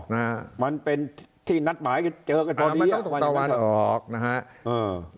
อ๋อนะฮะมันเป็นที่นัดหมายเจอกันพอดีอ่ามันต้องตกตะวันออกนะฮะอือ